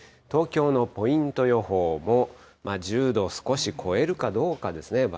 東京のポイント予報も１０度を少し超えるかどうかですね。